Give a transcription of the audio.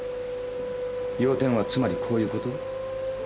要点はつまりこういうこと？